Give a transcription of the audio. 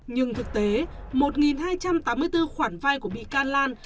nhưng thực tế một hai trăm tám mươi bốn khoản vay của bị can lan